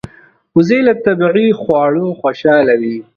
وزې له طبیعي خواړو خوشاله وي